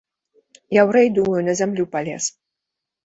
Яўрэй, думаю, на зямлю палез!